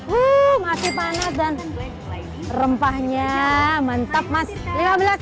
wuh masih panas dan rempahnya mantap mas